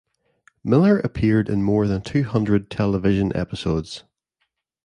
Miller appeared in more than two hundred television episodes.